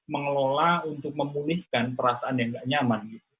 mengelola untuk memulihkan perasaan yang nggak nyaman